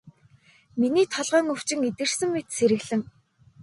Миний толгойн өвчин эдгэрсэн мэт сэргэлэн.